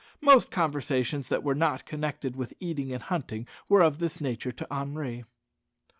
Most conversations that were not connected with eating and hunting were of this nature to Henri.